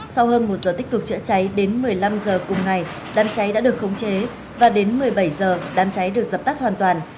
sau hơn một giờ tích cực chữa cháy đến một mươi năm h cùng ngày đám cháy đã được khống chế và đến một mươi bảy h đám cháy được dập tắt hoàn toàn